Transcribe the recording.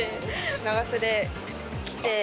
長袖着て。